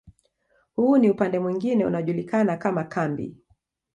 Huu ni upande mwingine unaojulikana kama kambi